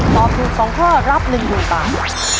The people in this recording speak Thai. ตอบถูก๒ข้อรับ๑๐๐๐บาท